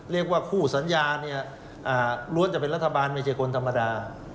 เรียกว่าคู่สัญญาเนี่ยล้วนจะเป็นรัฐบาลไม่ใช่คนธรรมดา